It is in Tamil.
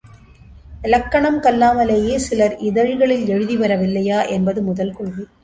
இலக்கணம் கல்லாமலேயே சிலர் இதழ்களில் எழுதிவரவில்லையா என்பது முதல் கொள்கை.